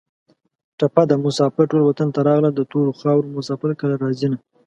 ټپه ده: مسافر ټول وطن ته راغلل د تورو خارو مسافر کله راځینه